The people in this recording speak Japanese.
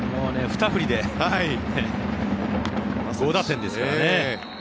２振りで５打点ですからね。